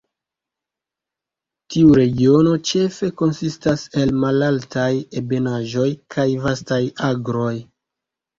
Tiu regiono ĉefe konsistas el malaltaj ebenaĵoj kaj vastaj agroj.